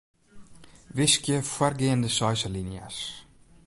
Wiskje foargeande seis alinea's.